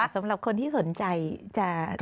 สำหรับคนที่สนใจจะซื้อแบบนี้นะคะ